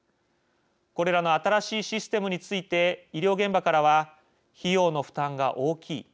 これらの新しいシステムについて医療現場からは「費用の負担が大きい」